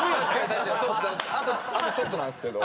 確かにあとちょっとなんすけど。